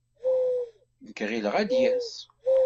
Nekk ɣileɣ ad d-yas.